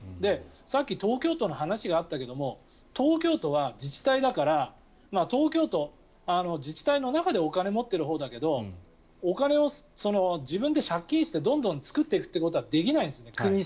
さっき東京都の話があったけど東京都は、自治体だから東京都は自治体の中でお金を持ってるほうだけどお金を自分で借金してどんどん作っていくということはできないんですね